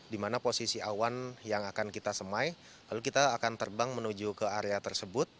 di mana posisi awan yang akan kita semai lalu kita akan terbang menuju ke area tersebut